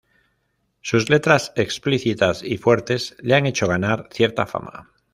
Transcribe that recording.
Sus letras explícitas y fuertes le han hecho ganar cierta fama.